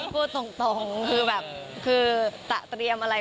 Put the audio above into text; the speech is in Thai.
พร้อมเซเยฟไหม